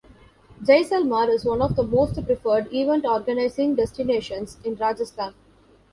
Jaisalmer is one of the most preferred event organizing destinations in Rajasthan.